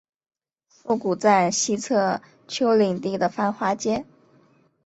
涩谷站西侧丘陵地的繁华街。